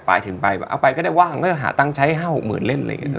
ปลายถึงไปเอาไปก็ได้ว่างก็จะหาตังค์ใช้ห้าหกหมื่นเล่นอะไรอย่างงี้